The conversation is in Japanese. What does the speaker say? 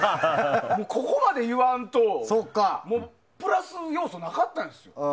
ここまで言わんとプラス要素なかったんですよ。